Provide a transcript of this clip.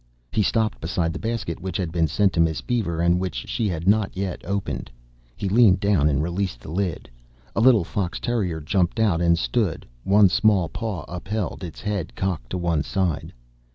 He stopped beside the basket which had been sent to Miss Beaver and which she had not yet opened. He leaned down and released the lid. A little fox terrier jumped out and stood, one small paw upheld, its head cocked to one side.